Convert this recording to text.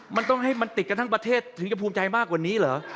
มันต้องให้มันติดกันทั้งประเทศถึงจะภูมิใจมากกว่านี้เหรอ